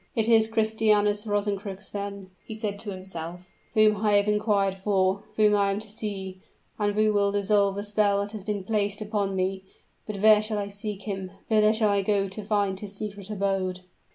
"It is Christianus Rosencrux, then," he said to himself, "whom I have inquired for whom I am to see and who will dissolve the spell that has been placed upon me. But where shall I seek him? whither shall I go to find his secret abode?"